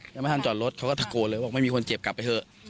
ยังไม่ทันจอดรถเขาก็ตะโกนเลยบอกไม่มีคนเจ็บกลับไปเถอะ